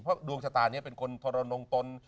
เพราะดวงชะตานี้เป็นคนทรนงตน